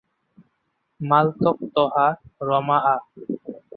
ম্বাল তক তহা রমাআ ।